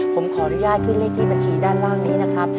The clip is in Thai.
ผมขออนุญาตขึ้นเลขที่บัญชีด้านล่างนี้นะครับ